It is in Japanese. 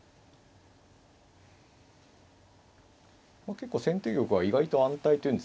結構先手玉は意外と安泰と言うんですかね。